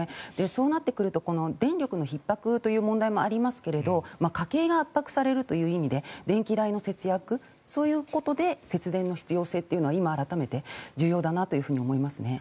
そうなってくると電力のひっ迫という問題もありますが家計が圧迫されるという意味で電気代の節約そういうことで節電の必要性というのは今、改めて重要だなと思いますね。